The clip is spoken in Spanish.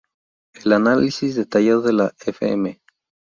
El análisis detallado de la Fm.